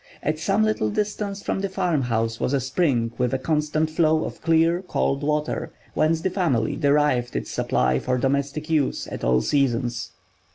At some little distance from the farmhouse was a spring with a constant flow of clear, cold water, whence the family derived its supply for domestic use at all seasons.